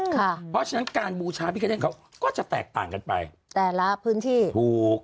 ขอโทษนะคะที่จะอกนี้ลุคคือคลางให้ลุค